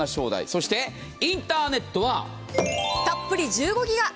そしてインターネットはたっぷり１５ギガ。